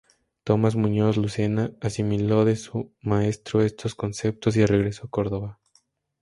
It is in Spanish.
Tomás Muñoz Lucena asimiló de su maestro estos conceptos y regresó a Córdoba.